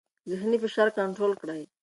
ذهني فشار کنټرول کړئ.